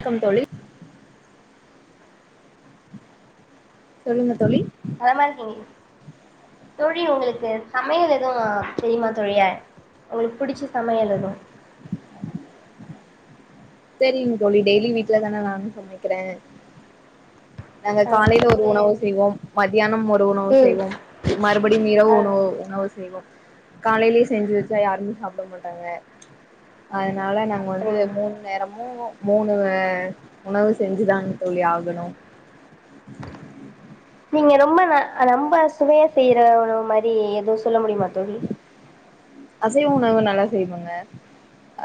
க்கம் தோழி சொல்லுங்க தோழி நலமா இருக்கீங்க தோழி உங்களுக்கு சமயல் எதுவு தெரியுமா தோழி ய உங்களுக்கு புடிச்ச சமயல் எது தெரியுந்தோழி டெய்லி வீ்ட்ல தான நானு சமைக்குற நாங்க காலையில ஒரு உணவு செய்வோம் மத்தியானம் ஒரு உணவு ம் செய்வோம் மறுபடி இரவு ஆ உணவு உணவு செய்வோ காலையிலே செஞ்சு வெச்சா யாருமே சாப்டமாட்டாங்க அதனால நாங்க வந்து அப்டிங்களா மூண் நேரமு மூணு உணவு செஞ்சுதா தோழி ஆகணு நீங்க ரொம்ப ந ரொம்ப சுவையா செய்ற உணவு மாரி எதோ சொல்ல முடியுமா தோழி அசைவ உணவு நல்லா செய்வங்க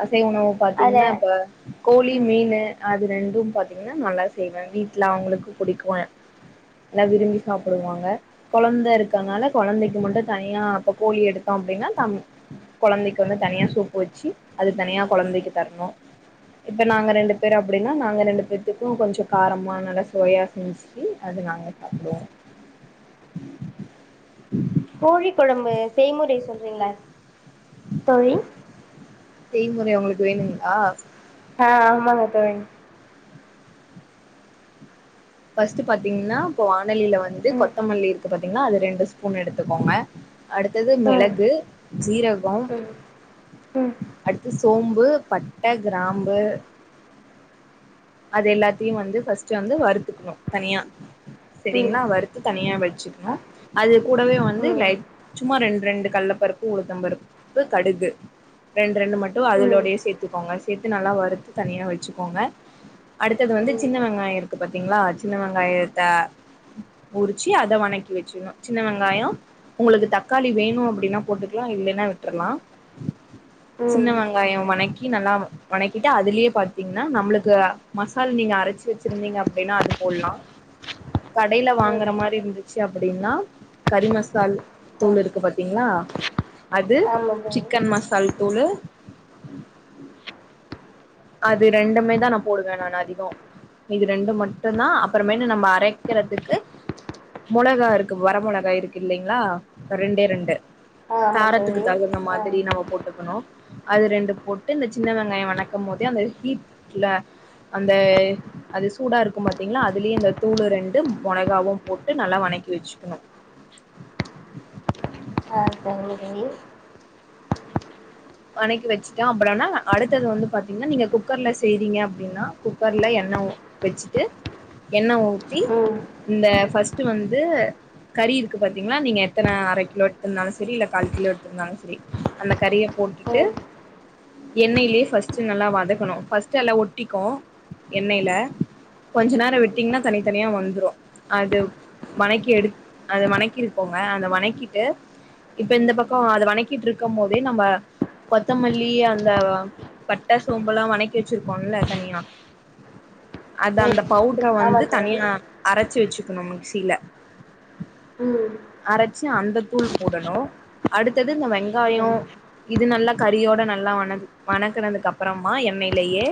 அசைவ உணவு அதுல பாத்தீங்ன்னா இப்ப கோழி ம் மீனு அது ரெண்டு பாத்தீங்கன்னா நல்லா செய்வே வீட்ல அவுங்களுக்கு புடிக்கு நல் விரும்பி சாப்புடுவாங்க கொழந்த இருக்கனால கொழந்தைக்கு மட்டு தனியா இப்ப கோழி எடுத்தோ அப்டின்னா தம் கொழந்தைக்கு வந்து தனியா சூப்பு வெச்சு அது தனியா கொழந்தைக்கு தர்ணு இப்போ நாங்க ரெண்டு பேரு அப்படின்னா நாங்க ரெண்டு பேத்தக்கு கொஞ்சோ காரம நல்லா சுவையா செஞ் சி அது நாங்க சாப்புடுவோ கோழிக்குழம்பு செய்முறை சொல்றீங்ளா தோழி செய்முறை உங்களுக்கு வேணுங்ளா ஆ ஆமாங்க தோழி ஃபஸ்ட் பாத்தீங்கன்னா இப்போ வானலியில வந்து ம் கொத்தமல்லி இருக்கு பாத்தீங்ன்னா அது ரெண்டு ஸ்பூன் எடுத்துக்கோங்க அடுத்தது ம் மிளகு ஜீரகோம் ம் ம் அடுத்து சோம்பு பட்ட கிராம்பு அது எல்லாத்தியு வந்து ஃபஸ்ட் வந்து வருத்துக்கிணு தனியா ம் செரிங்ளா வருத் து தனியா வெச்சுக்கிணு அது கூடவே வந்து ம் லைட் சும்மா ரெண் ரெண்டு கள்ளப்பருப்பு உளுத்தம் பருப்பு கடுகு ரெண் ரெண்டு மட்டு ம் அதலோடையே சேத்துக்கோங்க சேத்து நல்லா வறுத்து தனியா வெச்சுக்கோங்க அடுத்தது வந்து ம் சின்ன வெங்காய இருக்கு பாத்தீங்ளா சின்ன வெங்காயத்த உரிச்சு அத வணக்கி வெச்சிண்ணு சின்ன வெங்காயோ உங்களுக்கு தக்காளி வேணு அப்படின்னா போட்டுக்லா இல்லேனா விட்டுர்லா சின்ன வெங்காயம் வணக்கி நல்லா வணக்கிட்டு அதுலியே பாத்தீங்ன்னா நம்ளு க்கு மசால் நீங்க அரச்சு வெச்சிருந்தீங்க அப்டீனா அது போல்லா கடைல ம் வாங்கற மாரி இருந்துச்சு அப்பிடினா கறிமசால் ம் தூள் இருக்கு பாத் தீங்ளா அது ஆமா தோழி சிக்கன் மசால் ம் தூளு அது ரெண்டுமே தா நா போடுவே நான் அதிகோ இது ரெண்டு மட்டுந்தா அப்பறமான்டு நம்ம அரைக்கிறதுக்கு மொளகா இருக்கு வர மொளகா இருக்கில்லீங்ளா ரெண்டே ரெண்டு ஆ ஆமாம் காரத்துக்கு தோழி தகுந்த ஆ மாதிரி நம்ம போட்டுக்கணு அது ரெண்டு போட்டு இந்த சின்ன வெங்காயோ வணக் க்கம்மோதே அந்த ஹீட்ல அந்த அது சூடா இருக்கு பாத்தீங்ளா அதுலே இந்த தூளு ரெண்டு மொளகாவு போட்டு நல்லா வணக்கி வெச்சுக்கணு அப்றோ உங்ளுக் [unintelligible] வணக்கி வெச்சுட்டு அப்பறோனா அடுத்தது வந்து பாத்தீங்னா நீங்க குக்கர்ல செய்றீங்க அப்டின்னா குக்கர்ல எண்ண உ வெச்சிட்டு எண்ண ஊத்தி ம் இந்த ஃபஸ்ட்டு வந்து கறி இருக்கு பாத்தீங்ளா நீங்க எத்தன அர கிலோ எட்த்திர்ந்தாலு செரி இல்ல கால் கிலோ எட்த்திர்ந்தாலு செரி அந்த கறிய போட்டுட் டு ம் எண்ணைலே ஃபஸ்ட் நல்லா வதக்கணு ஃபஸ்ட் எல்லா ஒட்டிக்கு எண்ணைல கொஞ்ச நேரோ விட்டீங்னா தனித்தனியா வந்துரு அது வணக்கி எடுத் அத வணக்கி விட்க்கோங்க அத வணக்கிட்டு இப்ப இந்த பக்கோ அத வணக்கிட்ருக்கும்போதே நம்ம கொத்தமல்லி அந்த பட்ட சோம்பெல்லா வணக்கி வெச்சிருக்கோல்ல தனியா அது ம் அந்த பவுட்ர வந்து ஆமாம் தோழி தனியா அரச்சு வெச்சுக்கணு மிக்ஸில ம் அரச்சு அந்தத்தூள் போடணு அடுத்தது இந்த வெங்காயோ ம் இது நல்லா கறியோட நல்லா வணக் வணக்குனதுக்கப்றமா எண்ணைலயே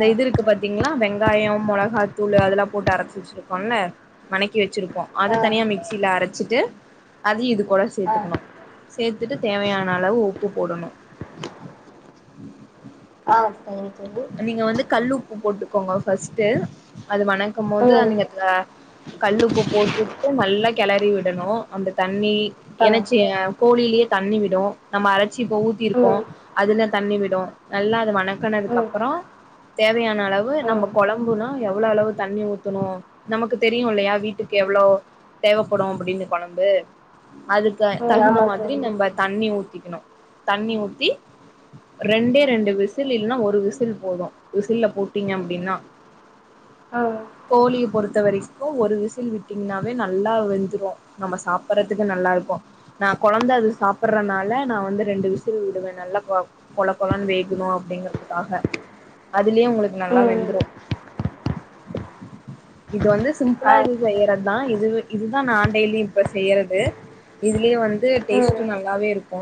ஆ இது இருக்கு பாத்தீங்களா வெங்காயோ, மொளகாத்தூளு அதெல்லா போட்டு அரச்சி வெச்சிருக்கோல்ல வணக்கி வெச்சிருப்போ அத ஆ தனியா மிக்ஸில அரச்சிட்டு அது இது கூட ஆ சேத்துக்கணு த்துட்டு தேவையான அளவு உப்பு போடணு ஓ செரிங்க செரிங்க நீங்க வந்து கல் உப்பு போட்டுக்கோங்க ஃபஸ்ட்டு அது வணக்கம்மோது அ ம் நீங்க அடுத்ததா கல்லுப்பு போட்டுட்டு நல்லா கெளறி விடணு அந்த தண்ணி ஆ எனச்சி எ கோழிலே தண்ணி விடு நம்ம அரச்சி இப்ப ம் ஊத்தீர்க்கோ ம் அதுல தண்ணி விடு நல்லா அத ம் வணக்குனதுக்கப்பறோ தேவையான அளவு ம் நம்ம கொழம்புனா எவ்ளோ அளவு தண்ணி ஊத்தணு நமக்கு தெரியு இல்லயா வீட்டுக்கு எவ்ளோ தேவப்படு அப்பிடின்னு கொழம்பு அதுக் கு தகுந்த ஆமாம் மாதிரி தோழி நம்ப தண்ணி ஊத்திக்கணு தண்ணி ஊத்தி ரெண்டே ரெண்டு விசில் இல்ன்னா ஒரு வி சில் போது விசில்ல போட்டீங்க அப்டின்னா ஓ கோழிய பொறுத்த வரைக்கு ஒரு விசில் விட்டீங்ன்னாவே நல்லா வெந்துரு நம்ம சாப்பட்றதுக்கு நல்லாருக்கு நா கொழந்த அது சாப்பட்றனால நா வந்து ரெண்டு விசில்வுடுவே நல்லா கொ கொழ கொழன் வேகுணு அப்டிங்கறத்துக்காக அதுலே உங்களுக் நல்லா ம் வெந்துரு இது வந்து ஆ சிம்ப்பிளா இது செய்யறத் தா இதுவே இதுதா நா டெய்லி இப்ப செய்யறது இதுலயு வந்து ம் டேஸ்ட்டு நல்லாவே இருக்கு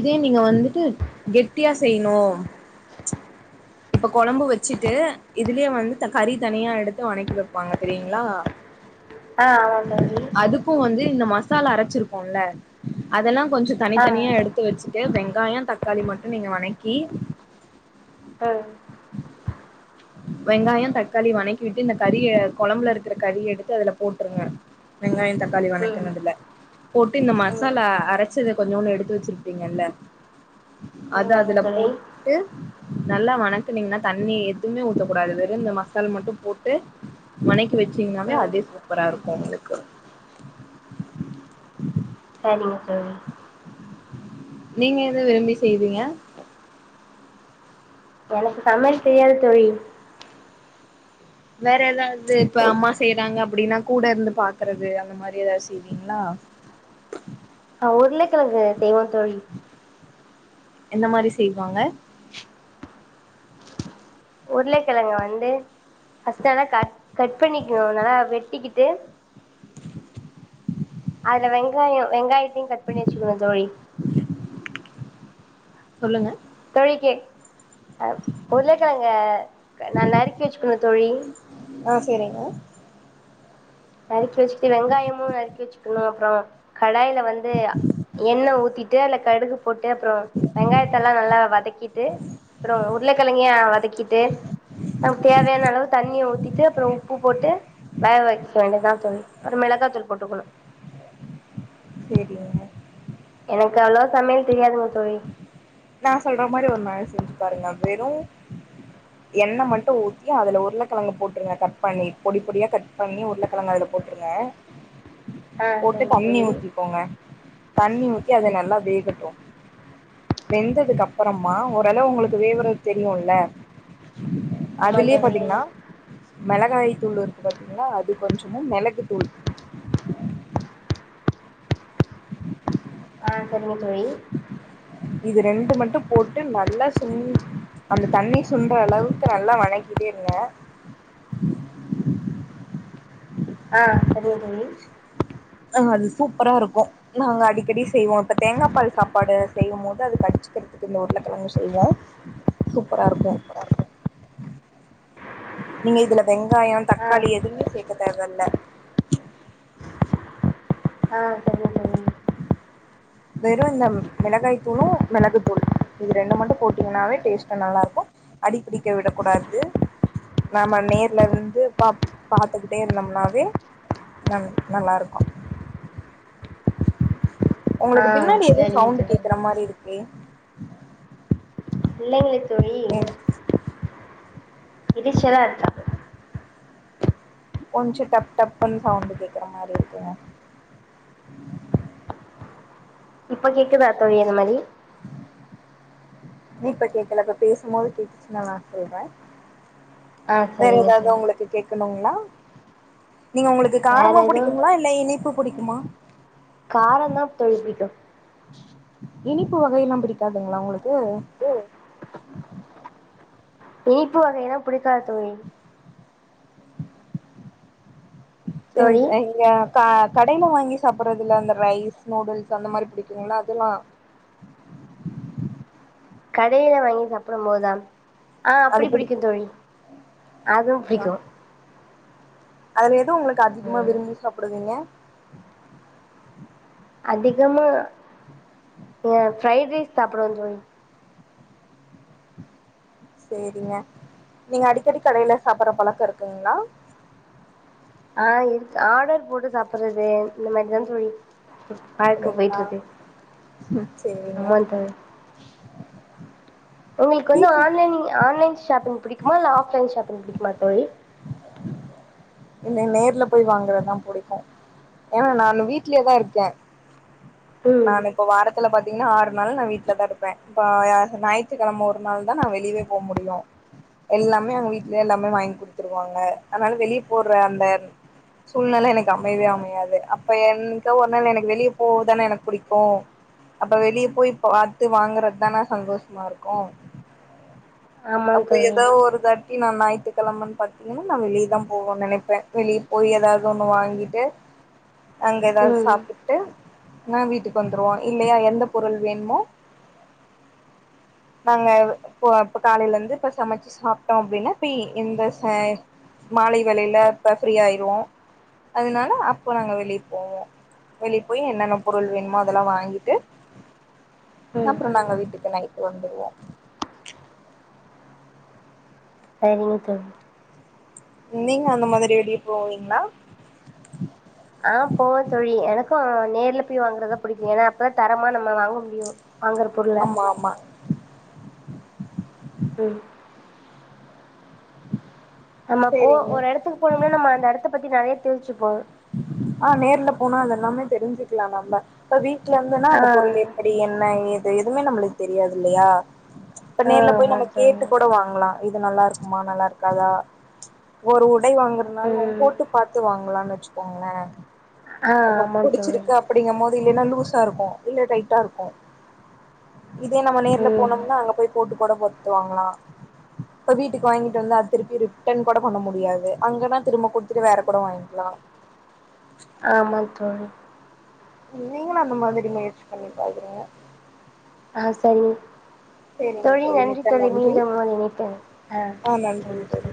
இதே நீங்க வந்துட்டு கெட்டியா செய்ணு இப்ப கொழம்பு வச்சிட்டு இதுலே வந்து த கறி தனியா எடுத்து வணக்கி வப்பாங்க தெரிங்ளா ஆ ஆமா தோழி அதுக்கு வந்து இந்த மசாலா அரச்சிருப்போம்ல அதெல்லா கொஞ்சொ ஆ தனித்தனியா எடு ம் த்து வச்சிட்டு வெங்காயோ தக்காளி மட்டு நீங்க வணக்கி ம் வெங்காயோ தக்காளி வணக்கி விட்டு இந்த கறிய கொழம்புலருக்ற கறிய எடுத்து அதுல போட்ருங்க வெங்காயொ தக்காளி ம் வணக்குனதுல போட்டு இந்த ம் மசாலா அரச்சத கொஞ்சோன்னு எடுத்து வச்சிருப்பீங்கள்ல அது அதுல ஆமாம் தோழி போட்டு நல்லா வணக்குனீங்னா தண்ணி எதுமே ஊத்தக்கூடாது வெறு இந்த மசால் மட்டு போட்டு வணக்கி வச்சீங்கன்னாவே ம் அதே சூப்பராருக்கு உங்ளுக்கு செரிங்க தோழி நீங்க எத விரும்பி செய்வீங்க எனக்கு சமையல் தெரியாது தோழி வேற எதாவ்து இப்ப உ- அம்மா செய்றாங்க அப்டின்னா கூடருந்து பாக்கறது அந்த மாரி எதா செய்வீங்ளா ஆ உர்ளக்கழங்கு செய்வோ தோழி எந்த மாரி செய்வாங்க உர்ளக்கெழங்க வந்து ஃபர்ஸ்ட்டு அத கட் கட் பண்ணிக்க நல்லா வெட்டிக்கிட்டு அத்ல வெங்காயோ வெங்காயத்தையு கட் பண்ணி வச்சுக்கனு தோழி சொல்லுங்க தோழி கே அ உர்ளக்கெழங்க நறுக்கி வச்சுக்கனு தோழி ஆ சேரிங்க நறுக்கி வச்சிட்டு வெங்காயமு நறுக்கி வச்சுக்கனு அப்றோ கடாய்ல வந்து எண்ண ஊத்தி ட்டு அல்ல கடுகு போட்டு அப்றோ வெங்காயத்தெல்லா நல்லா வதக்கிட்டு அப்றோ உர்ளக்கெழங்கயு ஆ வதக்கிட்டு நம் தேவயான அளவு தண்ணிய ஊத்திட்டு அப்றோ உப்பு போட்டு வேகவெ [unintelligible] தோழி அது மெளகாத்தூள் போட்டுக்கனு சேரிங்க எனக்கு அவ்ளோவா சமையல் தெரியாதுங்க தோழி நா சொல்ற மாரி ஒரு நாள் செஞ்சு பாருங்க வெறு எண்ண மட்டு ஊத்தி அதுல உர்ளகெழங்க போட்ருங்க கட் பண்ணி பொடி பொடியா கட் பண்ணி உர்ளகெழங்க அதுல போட்ருங்க ஆ போட்டு சரிங்க தண்ணி தோழி ஊத்திக்கோங்க தண்ணி ஊத்தி அது நல்லா வேகட்டு வெந்ததுக்கப்பறமா ஓரளவு உங்களுக்கு வேவ்றது தெரியுல ஆமா அதுலே தோழி பாத்தீங்னா மெளகாய் தூள் இருக்கு பாத்தீங்ளா அது கொஞ்சமும் மெளகு தூள் ஆ செரிங்க தோழி இது ரெண்டு மட்டு போட்டு நல்லா சு அந்த தண்ணி சுன்றளவுக்கு நல்லா வணக்கிட்டேருங்க உஹ உம் ஆ செரிங்க தோழி ஆ அது சூப்பராருக்கு நாங்க அடிக்கடி செய்வோ இப்ப தேங்கா பால் சாப்பாடு செய்யமோது அது கடிச்சுக்கிறதுக்கு இந்த உருளக்கிழங்கு செய்வோம் சூப்பரா இருக்கும் நீங்க இதுல வெங்காயம் ஆ தக்காளி எதுவுமே சேக்க தேவல்ல ஆ செரி [inaudible] வெறும் இந்த மிளகாய் தூளும் மெளகு தூள் இது ரண்டு மட்டும் போட்டீங்கன்னாவே டேஸ்ட்டா நல்லா இருக்கும் அடிபிடிக்க விடக் கூடாது நாம நேர்ல இருந்து பா பாத்துக்கிட்டே இருந்தோம்னாவே நம் நல்லாயிருக்கும் ஆ உங்களுக்கு பின்னாடி எதோ சரிங்க சவுண்டு தோழி கேக்கற மாரி இருக்கு இல்ல எங்களுக்கு ஏ இரச்சலா இருக்கா [inaudible] கொஞ்சம் டப் டப்ன்னு சவுண்டு கேக்கற மாரி இருக்குங்க இப்ப கேக்குதா தோழி அந்த மாரி நீ இப்ப கேக்கல இப்ப பேசமோது கேட்டுச்சினா வேனா சொல்றே ஆ வேற சரிங்க எதாவது தோழி உங்களுக்கு கேக்கணுங்களா நீங்க உங்களுக்கு வேற காரமா எதுவு புடிக்குங்களா இல் ல இனிப்பு புடிக்குமா காரந்தா தோழிப் பிடிக்கும் இனிப்பு வகையெல்லாம் பிடிக்காதுங்களா உங்களுக்கு ம் இனிப்பு வகையிலா புடிக்காது தோழி தோழி ன்த் ஐங்கா க கடையில வாங்கி சாப்பறதுல்ல அந்த ரைஸ் நூடல்ஸ் அந்த மாரி பிடிக்குங்களா அதெல்லாம் கடையில வாங்கி சாப்படுமோதா ஆ அது அப்டி பிடி புடிக்கும் தோழி அதும் பிடிக்கும் அதுல எது உங்களுக்கு அதிகமா ம் விரும்பி சாப்டுவிங்க அதிகமா ஏ ப்ரைட் ரைஸ் சாப்புடுவன் தோழி செரிங்க நீங்க அடிக்கடி கடையில சாப்பற பழக்கம் இருக்குங்களா ஆ இருக்கு ஆடர் போட்டு சாப்பறது இந்த மாரிதான் தோழி பாக்க அப்டிங்களா போயிட்டுருக்கு சேரிங்க அமௌன்ட்டு ஒங்களுக்கு வந்து வீட்ல ஆன்லைனிங் ஆன்லைன் ஷாப்பிங் புடிக்குமா இல்ல ஆஃப்லைன் ஷாப்பி்ங் புடிக்குமா தோழி [inaudible] இல்ல நேர்ல போய் வாங்கறதா புடிக்கும் ஏனா நானு வீட்லே தா இருக்கேன் ம் நாளை இப்ப வாரத்துல பாத்தீங்கன்னா ஆறு நாள் நான் வீட்ல தா இருப்பன் பா யா ஞாயித்துக்கெழம ஒரு நாள் தா நா வெளியவே போ முடியும் எல்லாமே அங்க வீட்லே எல்லாமே வாங்கி குடுத்துருவாங்க அதனால வெளியே போற அந்த சூழ்நெல எனக்கு அமையவே அமையாது அப்ப என்னக்கே ஒரு நாள் எனக்கு வெளிய போற தான எனக்கு புடிக்கும் அப்ப வெளிய போயி பாத்து வாங்கறதான சந்தோஷமா இருக்கும் [inaudible] அப்ப தோழி எதோ ஒரு தாட் டி நா ஞாயித்துக்கெழமன் பாத்தீங்கன்னா நா வெளிய தா போவன் நெனைப்பன் வெளிய போயி எதாவது ஒன்னு வாங்கிட்டு அங்க எதாவது ம் சாப்ட்டுட்டு நா வீட்டுக்கு வந்துருவோம் இல்லையா எந்த பொருள் வேணுமோ [inaudible] நாங்க இப்போ இப்ப காலையிலந்து இப்ப சமச்சு சாப்ட்டோ அப்டின்னா இப்பி இந்த ச மாலை வேலைல இப்ப ஃப்ரீயாயிர்வோ அதனால அப்ப நாங்க வெளிய போவோ வெளிய போயி என்னன்ன பொருள் வேணுமோ அதெல்லா வாங்கிட்டு ம் அப்றோ நாங்க வீட்டுக்கு நைட் வந்துருவோ சரிங்க தோழி நீங்க அந்த மாதிரி வெளிய போவீங்ளா ஆ போவோ தோழி எனக்கு நேர்ல போய் வாங்குறதா புடிக்கு ஏன்னா அப்பதா தரமா நம்ம வாங்க முடியு வாங்குற பொருள ஆம்மா ஆம்மா ம் நம்ம இப்போ சேரிங்க ஒரு எடத்துக்கு போனோனா நம்ம அந்த எடத்த பத்தி நெறைய தெரிஞ்சுப்போ ஆ நேர்ல போனா அது எல்லாமே தெரிஞ்சுக்கலா நம்ம இப்ப வீட்ல இருந்தோனா ஆ அந்த பொருள் எப் ப்டி என்ன ஏது எதுமே நம்ளுக் தெரியாது இல்லயா இப்ப ஆ நேர்ல போயி ஆமா நம்ம கேட்டு தோழி கூட வாங்லா இது நல்லாருக்குமா நல்லாருக்காதா ஒரு உடை வாங்கறதுனாலு நம் ம் போட்டு பாத்து வாங்லான் வச்சுக்கோங்ளே ஆ இப்ப ஆமாம் தோழி புடிச்சிருக்க அப்படிங்கபோது இல்லன்னா லூசாருக்கு இல்ல டைட்டாருக்கு இதே நம்ம நேர்ல ம் போனோம்னா அங்க போய் போட்டு கூட போத்து வாங்லா இப்ப வீட்டுக்கு வாங்கிட்டு வந்து அது திருப்பி ரிட்டன் கூட பண்ண முடியாது அங்கன்னா திரும்ப குடுத்துட்டு வேற கூட வாய்ங்க்லா ஆமா தோழி நீங்களு அந்த மாதிரி முயற்சி பண்ணி பாக்றீங்க ஆ சரி சேரிங்க தோழி நன்றி மிக்க தோழி நன்றி மீண்டு இன்னொரு ஆ இணைப்பு நன்றிங்க தோழி